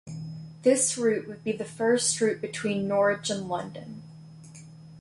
This route would be the first route between Norwich and London.